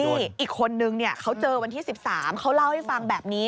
นี่อีกคนนึงเขาเจอวันที่๑๓เขาเล่าให้ฟังแบบนี้